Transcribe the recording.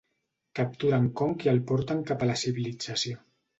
Capturen Kong i el porten cap a la civilització.